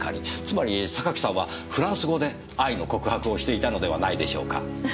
つまり榊さんはフランス語で愛の告白をしていたのではないでしょうか。